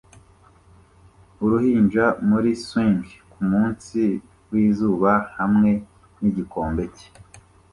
Uruhinja muri swing kumunsi wizuba hamwe nigikombe cye